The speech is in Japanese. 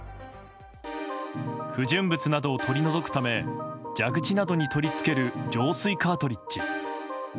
不純物などを取り除くため蛇口などに取り付ける浄水カートリッジ。